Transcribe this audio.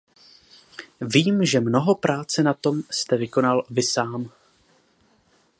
Vím, že mnoho práce na tom jste vykonal vy sám.